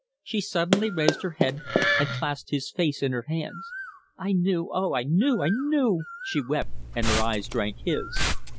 She suddenly raised her head and clasped his face in her hands. "I knew oh, I knew, I knew...!" she wept, and her eyes drank his.